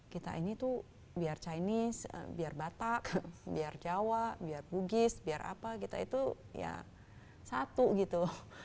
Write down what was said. kita ini tuh biar chinese biar batak biar jawa biar bugis biar apa kita itu ya satu gitu